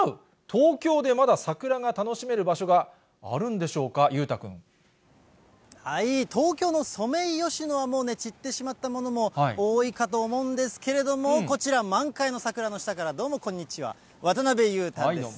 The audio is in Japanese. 東京でまだ桜が楽しめる場所があるんでしょうか、東京のソメイヨシノはもうね、散ってしまったものも多いかと思うんですけれども、こちら、満開の桜の下から、どうも、こんにちは、渡辺裕太です。